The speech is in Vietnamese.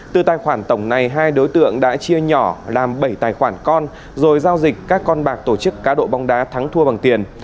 từ tài khoản tổng này hai đối tượng đã chia nhỏ làm bảy tài khoản con rồi giao dịch các con bạc tổ chức cá độ bóng đá thắng thua bằng tiền